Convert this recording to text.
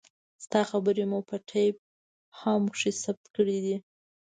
ستا خبرې مو په ټېپ هم کښې ثبت کړې دي.